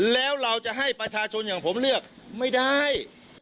แล้วเราจะให้ประชาชนอย่างผมเลือกไม่ได้